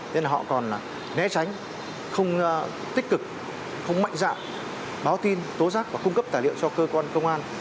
nên là họ còn né tránh không tích cực không mạnh dạng báo tin tố giác và cung cấp tài liệu cho cơ quan công an